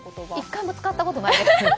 １回も使ったことないです。